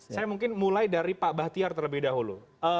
saya mungkin mulai dari pak bahtiar terlebih dahulu